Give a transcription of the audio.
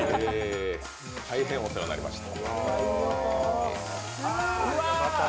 大変お世話になりました。